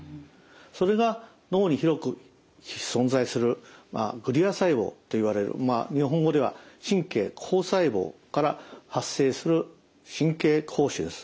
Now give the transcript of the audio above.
それが脳に広く存在するグリア細胞といわれる日本語では神経膠細胞から発生する神経膠腫です。